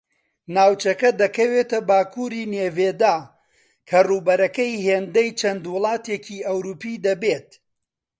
ناوچەکە دەکەوێتە باکوری نێڤێدا کە ڕووبەرەکەی ھێندەی چەند وڵاتێکی ئەوروپی دەبێت